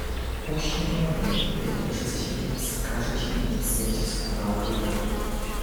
"Uśnie on wnet i pytany przez ciebie, wskaże ci miejsce, gdzie skóra ukryta."